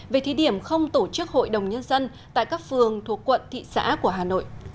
về thí điểm không tổ chức hội đồng nhân dân tại các phường thuộc quận thị xã của hà nội